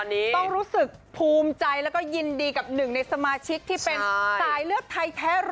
ต้องรู้สึกภูมิใจแล้วก็ยินดีกับหนึ่งในสมาชิกที่เป็นสายเลือดไทยแท้๑๐๐